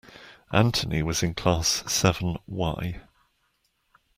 Anthony was in class seven Y.